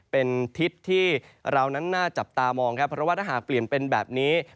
เป็นทิศที่เรานั้นน่าจับตามองครับเพราะว่าถ้าหากเปลี่ยนเป็นแบบนี้